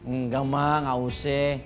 engga mak nggak usah